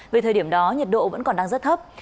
về thời điểm đó nhiệt độ vẫn còn đang rất thấp